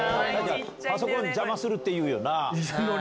パソコン邪魔するっていうよな。